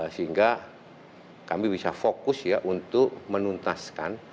sehingga kami bisa fokus ya untuk menuntaskan